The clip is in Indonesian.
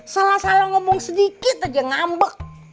salah salah ngomong sedikit aja ngambek